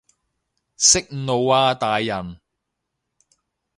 息怒啊大人